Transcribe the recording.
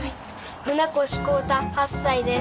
船越晃太８歳です。